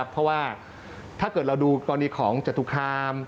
เพราะว่าถ้าเกิดเราดูกรณีของจตุคาม